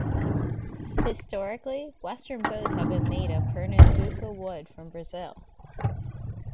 Historically, Western bows have been made of pernambuco wood from Brazil.